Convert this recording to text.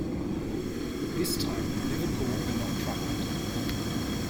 This time Liverpool were not troubled.